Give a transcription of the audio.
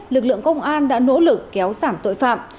lực lượng công an đã nỗ lực kéo giảm tội phạm